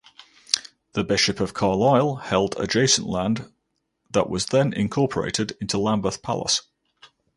The Bishop of Carlisle held adjacent land that was then incorporated into Lambeth Palace.